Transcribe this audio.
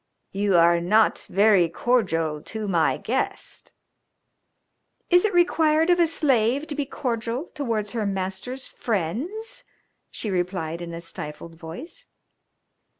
"You are not very cordial to my guest." "Is it required of a slave to be cordial towards her master's friends?" she replied in a stifled voice.